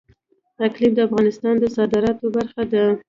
اقلیم د افغانستان د صادراتو برخه ده.